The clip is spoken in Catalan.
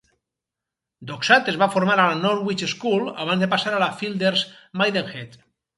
Doxat es va formar a la Norwich School abans de passar a Philberd's, Maidenhead.